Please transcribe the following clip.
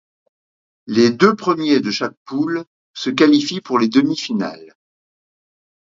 Les deux premiers de chaque poule se qualifie pour les demi-finales.